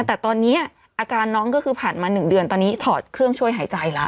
แต่ตอนนี้อาการน้องก็คือผ่านมา๑เดือนตอนนี้ถอดเครื่องช่วยหายใจแล้ว